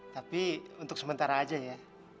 tapi untuk sementara aja ya